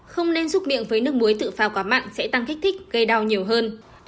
không nên xúc miệng với nước muối tự pha quá mặn sẽ tăng khích thích gây đau nhiều hơn